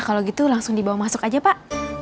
kalau gitu langsung dibawa masuk aja pak